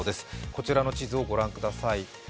こちらの地図をご覧ください。